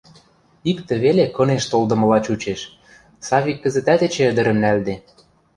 Иктӹ веле кынеш толдымыла чучеш: Савик кӹзӹтӓт эче ӹдӹрӹм нӓлде.